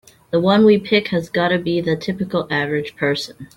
The one we pick has gotta be the typical average person.